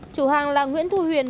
chủ hàng là nguyễn thu huyền